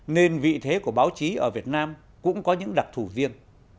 nên vị thế của báo chí ở việt nam cũng có những đặc thù riêng